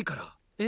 え？